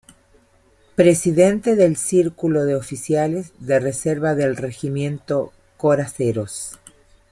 Presidente del Círculo de Oficiales de Reserva del Regimiento Coraceros.